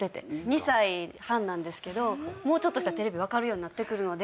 ２歳半なんですけどもうちょっとしたらテレビ分かるようになってくるので。